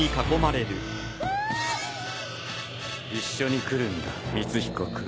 一緒に来るんだ光彦君。